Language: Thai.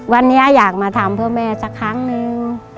วันนี้อยากมาทำเพื่อแม่สักครั้งนึง